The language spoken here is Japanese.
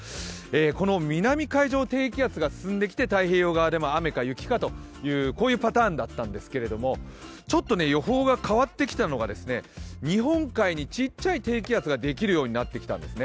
この南海上を低気圧が進んできて太平洋側でも雨か雪かというパターンだったんですけどもちょっと予報が変わってきたのが日本海にちっちゃい低気圧ができるようになってきたんですね。